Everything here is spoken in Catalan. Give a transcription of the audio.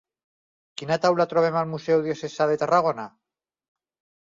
Quina taula trobem al Museu Diocesà de Tarragona?